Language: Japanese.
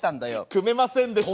組めませんでした。